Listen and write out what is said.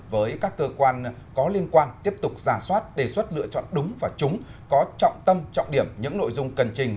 với các cơ quan có liên quan tiếp tục giả soát đề xuất lựa chọn đúng và trúng có trọng tâm trọng điểm những nội dung cần trình